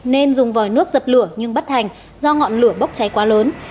nên dùng vòi nước dập lửa nhưng bất hành do ngọn lửa bốc cháy quá lớn